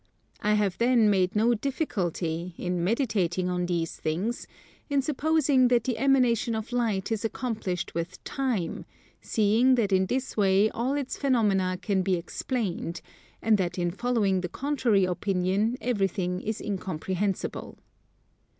I have then made no difficulty, in meditating on these things, in supposing that the emanation of light is accomplished with time, seeing that in this way all its phenomena can be explained, and that in following the contrary opinion everything is incomprehensible.